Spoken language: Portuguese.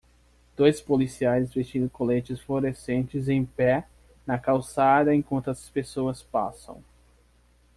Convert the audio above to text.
Dois policiais vestindo coletes fluorescentes em pé na calçada enquanto as pessoas passam.